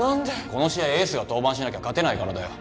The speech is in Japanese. この試合エースが登板しなきゃ勝てないからだよ